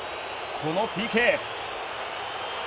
このＰＫ。